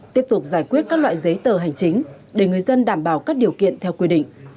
tiếp tục giải quyết các loại giấy tờ hành chính để người dân đảm bảo các điều kiện theo quy định